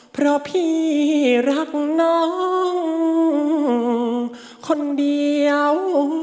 เพราะพี่รักน้องคนเดียว